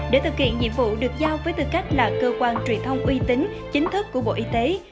để thực hiện nhiệm vụ được giao với tư cách là cơ quan truyền thông uy tín chính thức của bộ y tế